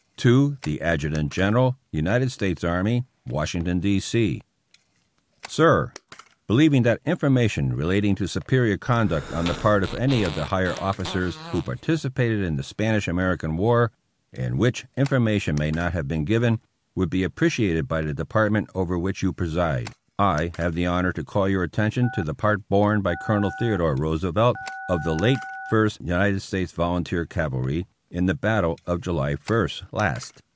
To THE Adjutant General, United States Army. Washington, D. C. Sir : Believing that information relating to superior con duct on the part of any of the higher officers who partici pated in the Spanish American War (and which informa tion may not have been given) would be appreciated by the Department over which you preside, I have the honor to call your attention to the part borne by Colonel Theo dore Roosevelt, of the late First United States Volunteer Cavalry, in the battle of July ist last.